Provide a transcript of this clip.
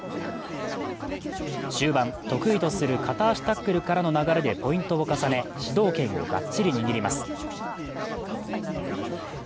終盤、得意とする片足タックルからの流れでポイントを重ね、主導権をがっちり握ります。